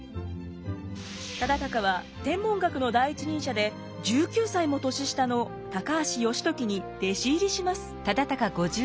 忠敬は天文学の第一人者で１９歳も年下の高橋至時に弟子入りします。